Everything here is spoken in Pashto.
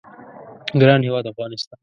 ګران هیواد افغانستان